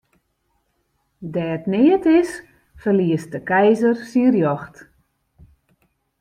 Dêr't neat is, ferliest de keizer syn rjocht.